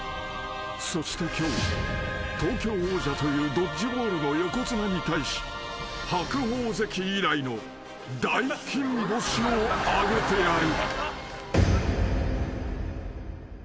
［そして今日東京王者というドッジボールの横綱に対し白鵬関以来の大金星を挙げてやる］